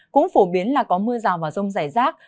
cũng phổ biến là có mưa rào và rông rải rác